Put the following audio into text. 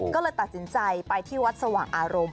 ก็เลยตัดสินใจไปที่วัดสว่างอารมณ์